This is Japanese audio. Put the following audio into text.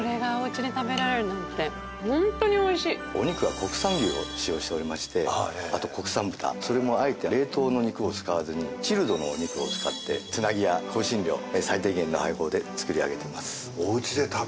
お肉は国産牛を使用しておりましてあと国産豚それもあえて冷凍の肉を使わずにチルドのお肉を使ってつなぎや香辛料最低限の配合で作り上げています。